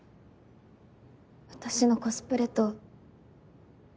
私のコスプレと。